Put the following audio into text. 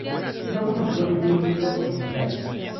No publicó ningún libro en vida.